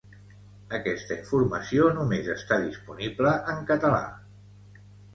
Aquesta informació només està disponible en català.